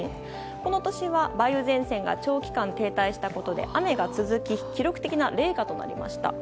この年は梅雨前線が長期間停滞したことで雨が続き記録的な冷夏となりました。